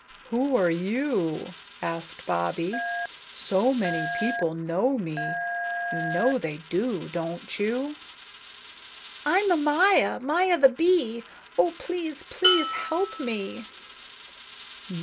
"Who are you?" asked Bobbie. "So many people know me. You know they do, don't you?" "I am Maya Maya, the bee. Oh please, please help me!"